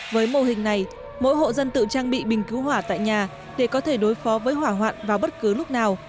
với mô hình này mỗi hộ dân tự trang bị bình cứu hỏa tại nhà để có thể đối phó với hỏa hoạn vào bất cứ lúc nào